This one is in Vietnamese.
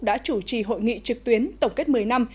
đã chủ trì hội nghị trực tuyến tổng kết một mươi năm